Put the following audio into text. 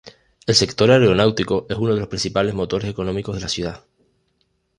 El sector aeronáutico es uno de los principales motores económicos de la ciudad.